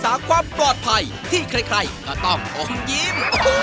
จากความปลอดภัยที่ใครก็ต้องอมยิ้ม